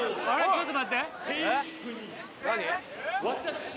ちょっと待って何？